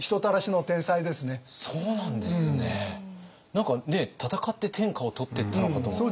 何か戦って天下を取ってったのかと思ったら。